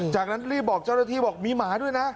จากนั้นรีบบอกเจ้าหน้าที่บอกมีหมาด้วยนะ